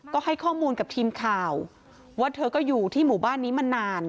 ก็ให้ข้อมูลกับทีมข่าวว่าเธอก็อยู่ที่หมู่บ้านนี้มานาน